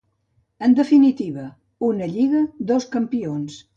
En definitiva: una lliga, dos campions.